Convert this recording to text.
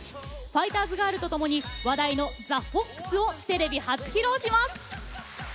ファイターズガールとともに話題の「ＴｈｅＦｏｘ」をテレビ初披露します。